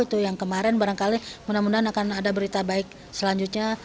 itu yang kemarin barangkali mudah mudahan akan ada berita baik selanjutnya